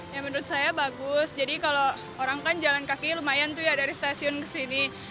ya menurut saya bagus jadi kalau orang kan jalan kaki lumayan tuh ya dari stasiun ke sini